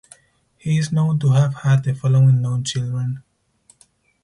He is known to have had the following known children.